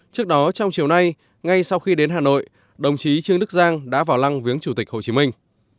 trước đó trong chiều nay ngay sau khi đến hà nội đồng chí trương đức giang đã vào lăng viếng chủ tịch hồ chí minh